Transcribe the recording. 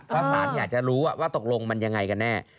เพราะสารอยากจะรู้ว่าตกลงมันยังไงกันแน่